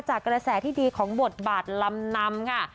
กระแสที่ดีของบทบาทลำนำค่ะ